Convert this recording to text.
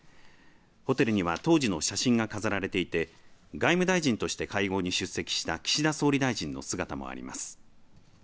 ホテルには当時の写真が飾られていて外務大臣として会合に出席した岸田総理大臣の姿もあります。